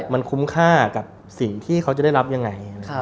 มันคุ้มค่ากับสิ่งที่เขาจะได้รับยังไง